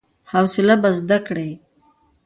حوصله به زده کړې !